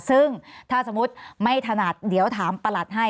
ซึ่งถ้าสมมุติไม่ถนัดเดี๋ยวถามประหลัดให้